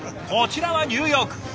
こちらはニューヨーク。